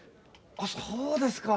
あっそうですか。